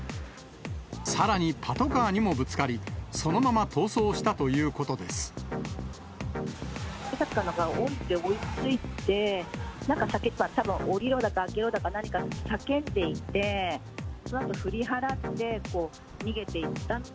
さらにパトカーにもぶつかり、警察官が降りて、追いついて、なんか叫んで、たぶん、降りろだか、開けろだか何か叫んでいて、そのあと振り払って、逃げていった。